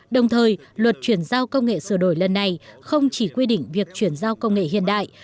đồng thời luật chuyển giao công nghệ sửa đổi lần này không chỉ quy định việc chuyển giao công nghệ hiện đại